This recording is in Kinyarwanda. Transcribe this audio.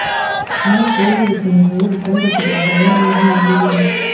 Amaso ye yirutse hejuru y'urutonde kugira ngo arebe niba izina rye ririho